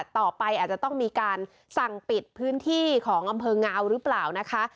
ต่อไปอาจจะต้องมีการสั่งปิดพื้นที่ของอำเภองาวหรือเปล่านะคะ